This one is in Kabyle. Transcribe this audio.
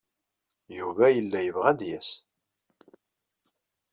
Yuba yella yebɣa ad d-yas.